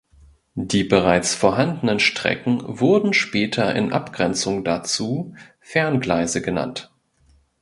Die bereits vorhandenen Strecken wurden später in Abgrenzung dazu "Ferngleise" genannt.